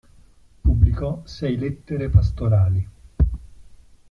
Pubblicò sei lettere pastorali.